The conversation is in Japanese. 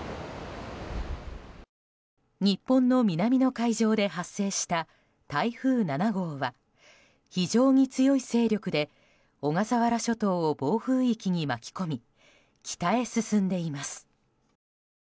日本の南の海上で発生した台風７号は非常に強い勢力で小笠原諸島を暴風域に巻き込み北へ進んでいます。